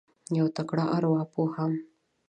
یو تکړه اروا پوه هم